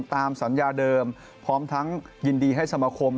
ตามสัญญาเดิมพร้อมทั้งยินดีให้สมคม